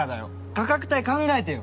価格帯考えてよ。